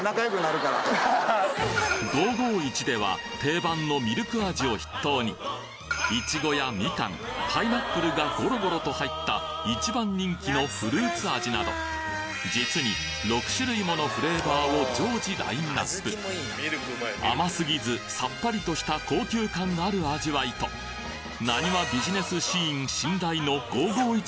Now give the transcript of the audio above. ５５１では定番のミルク味を筆頭にいちごやみかんパイナップルがゴロゴロと入ったなど実に６種類ものフレーバーを常時ラインナップ甘すぎずさっぱりとした高級感ある味わいとなにわビジネスシーン１，０００万本ですか？